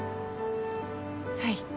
はい。